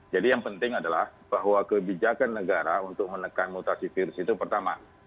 yang penting adalah bahwa kebijakan negara untuk menekan mutasi virus itu pertama